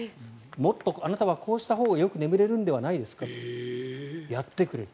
もっと、あなたはこうしたほうがよく眠れるんじゃないですかとやってくれる。